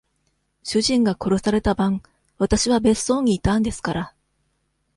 主人が殺された晩、私は別荘にいたんですから。